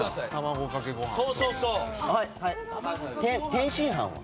天津飯は？